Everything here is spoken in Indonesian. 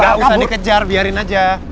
nggak usah dikejar biarin aja